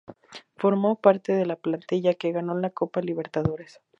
Formó parte de la plantilla que ganó la Copa Libertadores.